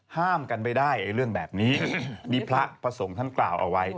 ห้ามกันไปได้เรื่องแบบนี้มีพระพระสงฆ์ท่านกล่าวเอาไว้